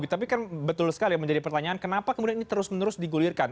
tapi kan betul sekali yang menjadi pertanyaan kenapa kemudian ini terus menerus digulirkan